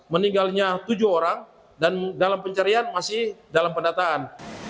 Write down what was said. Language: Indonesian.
meninggalnya tujuh orang dan dalam pencarian masih dalam pendataan